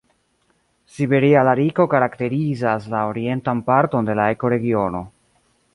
Siberia lariko karakterizas la orientan parton de la ekoregiono.